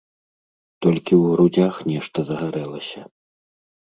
Толькі ў грудзях нешта загарэлася.